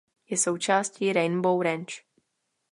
Je součástí Rainbow Range.